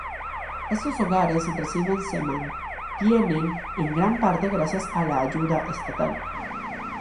Estos hogares reciben se mantienen en gran parte gracias a la ayuda estatal.